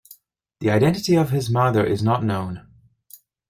The identity of his mother is not known.